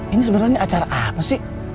ini sebenarnya acara apa sih